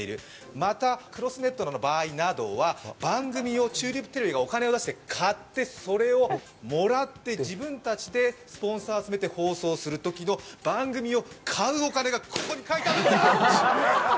また、クロスネットの場合などは番組をチューリップテレビがお金を出して買ってそれをもらって自分たちでスポンサーを集めて放送するときの、番組を買うお金がここに書いてあるんだ！！